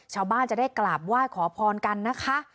ชาวบ้านจะได้กราบไหว้ขอพรกันนะคะ